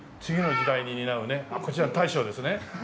こちら大将ですね？